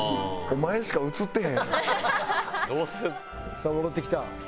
さあ戻ってきた。